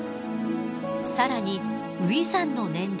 更に初産の年齢。